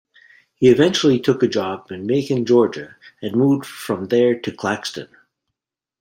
He eventually took a job in Macon, Georgia and moved from there to Claxton.